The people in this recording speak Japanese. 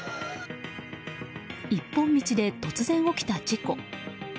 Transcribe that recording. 一本道で突然起きた事故。